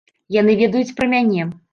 Яны ведаюць пра мяне.